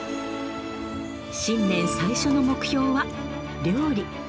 新年最初の目標は、料理。